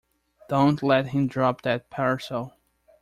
Don't let him drop that parcel.